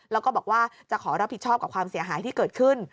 แล้วก็บอกว่าจะขอรับผิดชอบกับความเสียหายที่เกิดขึ้น